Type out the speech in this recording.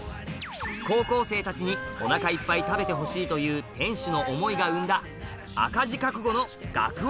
高校生たちにおなかいっぱい食べてほしいという店主の思いが生んだ赤字覚悟の学割